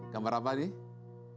gambar apa nih